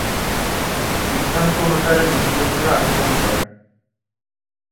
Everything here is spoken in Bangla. সিদ্ধান্ত অনুসারে মুক্তিযোদ্ধারা আক্রমণ করেন।